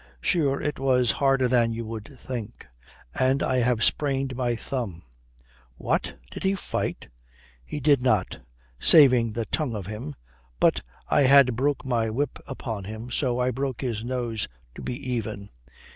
Sure, it was harder than you would think. And I have sprained my thumb." "What, did he fight?" "He did not saving the tongue of him. But I had broke my whip upon him, so I broke his nose to be even.